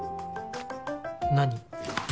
何？